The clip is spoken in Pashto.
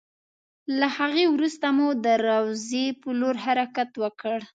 له هغې وروسته مو د روضې په لور حرکت وکړ.